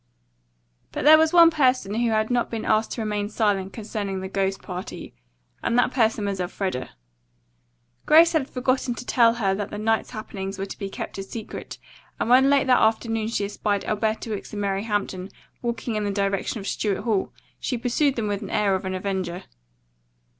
But there was one person who had not been asked to remain silent concerning the ghost party, and that person was Elfreda. Grace had forgotten to tell her that the night's happenings were to be kept a secret and when late that afternoon she espied Alberta Wicks and Mary Hampton walking in the direction of Stuart Hall she pursued them with the air of an avenger.